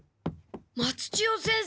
松千代先生！